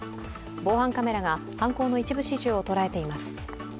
防犯カメラが犯行の一部始終を捉えています。